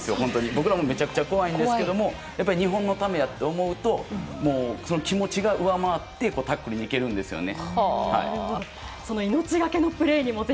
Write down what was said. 僕らもめちゃくちゃ怖いんですけど、やっぱり日本のためやって思うと、もうその気持ちが上回って、タックルに行けるんですよね。